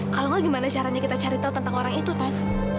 kalau enggak gimana caranya kita cari tahu tentang orang itu kan